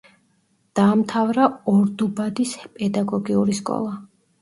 დაამთავრა ორდუბადის პედაგოგიური სკოლა.